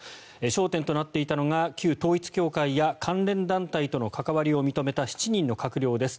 焦点となっていたのが旧統一教会や関連団体との関係を認めた７人の閣僚です。